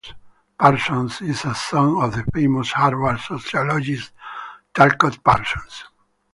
Parsons is a son of the famous Harvard sociologist Talcott Parsons.